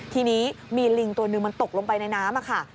ทีนี้มีลิงตัวหนึ่งมันตกลงไปในน้ำค่ะ